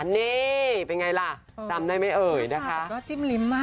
นี่เป็นไงล่ะจำได้ไหมเอ่ยนะคะก็จิ้มลิ้มมาก